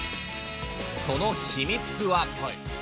その秘密は。